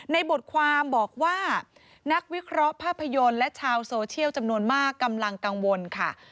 ในบทความบอกว่านักวิเคราะห์ภาพยนตร์และชาวโซเชียลจำนวนมากกำลังกังวลค่ะ